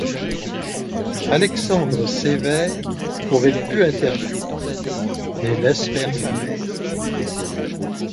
Alexandre Sévère aurait pu intervenir mais laisse faire sa mère.